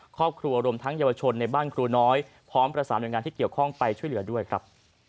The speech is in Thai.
รวมทั้งเยาวชนในบ้านครูน้อยพร้อมประสานหน่วยงานที่เกี่ยวข้องไปช่วยเหลือด้วยครับ